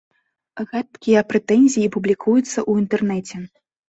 Гэткія прэтэнзіі публікуюцца ў інтэрнэце.